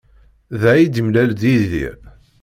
Da ay d-yemlal ed Yidir.